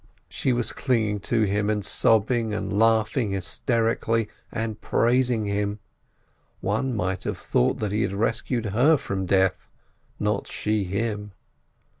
She was clinging to him, and sobbing and laughing hysterically, and praising him. One might have thought that he had rescued her from death, not she him.